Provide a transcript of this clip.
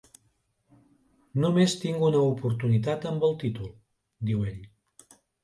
"Només tinc una oportunitat amb el títol", diu ell.